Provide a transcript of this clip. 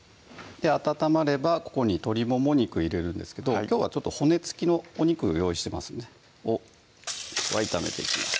温まればここに鶏もも肉入れるんですけどきょうは骨つきのお肉を用意してますねをきょうは炒めていきます